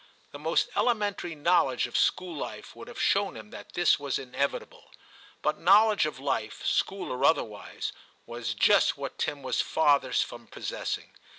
The most elementary knowledge of school life would have shown him that this was inevitable. But knowledge of life, school or otherwise, was just what Tim was farthest from possessing.